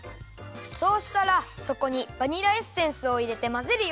そうしたらそこにバニラエッセンスをいれてまぜるよ。